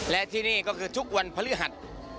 และที่นี่ก็คือทุกวันพฤหัส